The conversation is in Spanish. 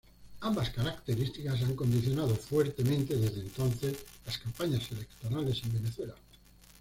Ambas características han condicionado fuertemente desde entonces las campañas electorales en Venezuela.